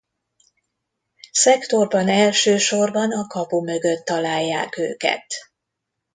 Szektorban elsősorban a kapu mögött találják őket.